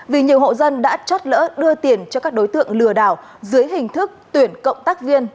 vì nhiều hộ dân đã chót lỡ đưa tiền cho các đối tượng lừa đảo dưới hình thức tuyển cộng tác viên